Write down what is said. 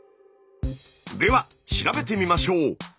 では調べてみましょう。